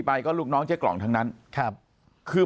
ปากกับภาคภูมิ